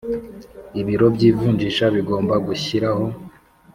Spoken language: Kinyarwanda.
Ibiro by ivunjisha bigomba gushyiraho